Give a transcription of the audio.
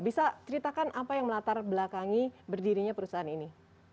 bisa ceritakan apa yang melatar belakangi berdirinya perusahaan ini